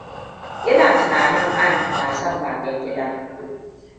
Ina tunanin Ann na son Babangida.